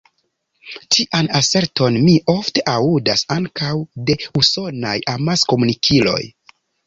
Tian aserton mi ofte aŭdas ankaŭ de usonaj amaskomunikiloj.